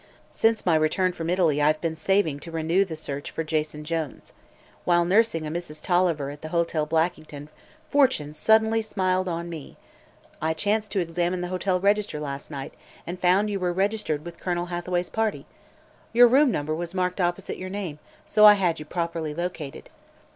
Since my return from Italy I've been saving to renew the search for Jason Jones. While nursing a Mrs. Tolliver at the Hotel Blackington, fortune suddenly smiled on me. I chanced to examine the hotel register last night and found you were registered with Colonel Hathaway's party. Your room number was marked opposite your name, so I had you properly located.